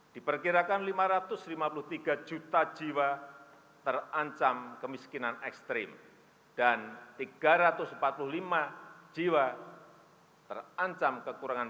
diperkirakan lima ratus lima puluh tiga juta jiwa terancam kemiskinan ekstrim dan tiga ratus empat puluh lima jiwa terancam kekurangan